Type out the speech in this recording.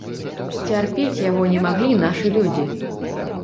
Цярпець яго не маглі нашы людзі.